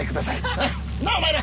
なっお前ら！